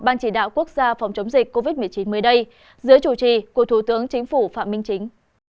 ban chỉ đạo quốc gia phòng chống dịch covid một mươi chín mới đây dưới chủ trì của thủ tướng chính phủ phạm minh chính